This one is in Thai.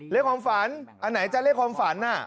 เลขความฝันอันไหนจะเลขความฝันน่ะ